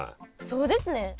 そうですね。